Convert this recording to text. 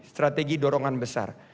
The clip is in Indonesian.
strategi dorongan besar